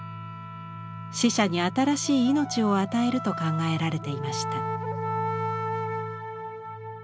死者に新しい命を与えると考えられていました。